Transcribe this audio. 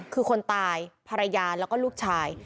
คือคนตายภรรยาแล้วก็ลูกชาย